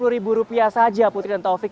lima puluh ribu rupiah saja putri dan taufik